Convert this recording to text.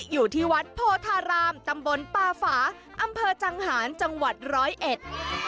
อยู่ที่วัดโพธารามตำบลปาฝาอำเภอจังหารจังหวัดร้อยเอ็ด